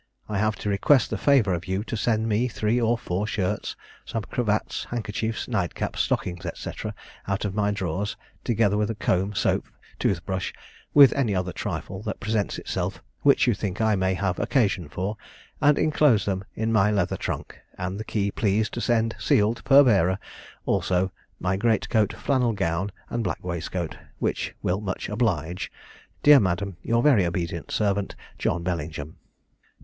I have to request the favour of you to send me three or four shirts, some cravats, handkerchiefs, night caps, stockings, &c., out of my drawers, together with comb, soap, tooth brush, with any other trifle that presents itself which you think I may have occasion for, and inclose them in my leather trunk, and the key please to send sealed, per bearer; also my great coat, flannel gown, and black waistcoat: which will much oblige, "Dear madam, your very obedient servant, "JOHN BELLINGHAM.